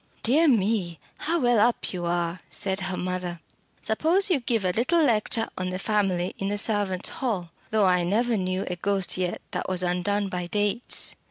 "Dear me, how well up you are!" said her mother. "Suppose you give a little lecture on the family in the servants' hall. Though I never knew a ghost yet that was undone by dates."